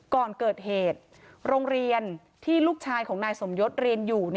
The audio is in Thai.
ก่อนเกิดเหตุโรงเรียนที่ลูกชายของนายสมยศเรียนอยู่